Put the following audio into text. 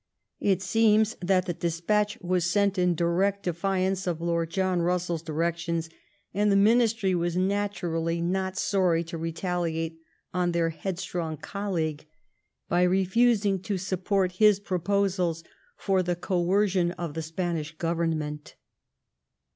It seems that the despatch was sent in direct defiance of Lord John Bus selFs directions, and the Ministry was naturally not sorry to retaliate on their headstrong colleague by refusing to support his proposals for the coercion of the Spanish Government.